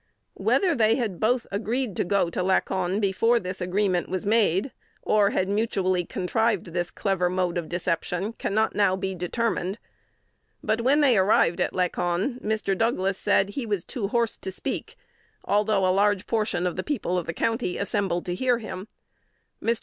Whether they had both agreed to go to Lacon before this agreement was made, or had mutually contrived this clever mode of deception, cannot now be determined. But, when they arrived at Lacon, Mr. Douglas said he was too hoarse to speak, although, "a large portion of the people of the county assembled to hear him." Mr.